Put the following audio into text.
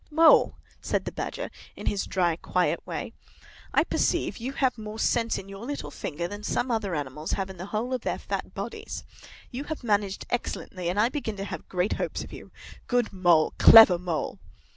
"Mole," said the Badger, in his dry, quiet way, "I perceive you have more sense in your little finger than some other animals have in the whole of their fat bodies. You have managed excellently, and I begin to have great hopes of you. Good Mole! Clever Mole!"